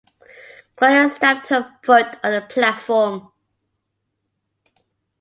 Gloria stamped her foot on the platform.